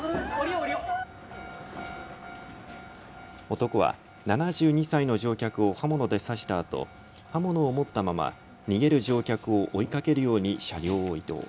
男は７２歳の乗客を刃物で刺したあと刃物を持ったまま逃げる乗客を追いかけるように車両を移動。